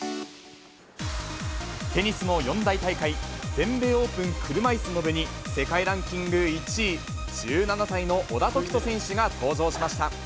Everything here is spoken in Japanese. テニスの四大大会、全米オープン車いすの部に、世界ランキング１位、１７歳の小田凱人選手が登場しました。